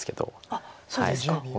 あっそうですか。